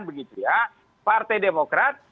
begitu ya partai demokrat